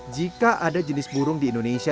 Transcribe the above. jika ada jenis burung di indonesia